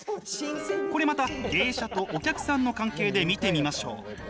これまた芸者とお客さんの関係で見てみましょう。